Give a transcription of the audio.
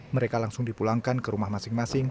mereka langsung dipulangkan ke rumah masing masing